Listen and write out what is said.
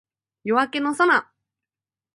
夜明けの空